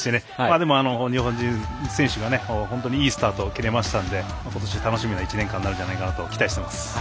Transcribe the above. でも、日本人選手、本当にいいスタート切れましたので今年、楽しみな１年間になるんじゃないかと期待しています。